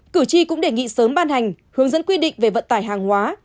cử tri cũng đề nghị sớm ban hành hướng dẫn quy định về vận tải hàng hóa